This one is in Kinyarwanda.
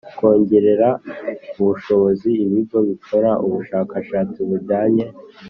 Kongerera ubushobozi ibigo bikora ubushakashatsi bujyanye